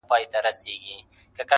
چي ظالم واکمن ته وځلوي توره -